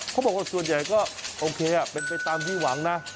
เขาบอกว่าส่วนใหญ่ก็โอเคเป็นไปตามที่หวังนะ